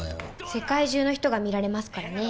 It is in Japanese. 世界中の人が見られますからね。